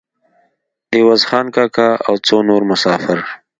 عوض خان کاکا او څو نور مسافر.